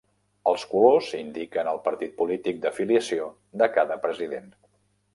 Els colors indiquen el partit polític d'afiliació de cada president.